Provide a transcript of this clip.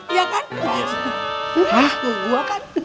hah gua kan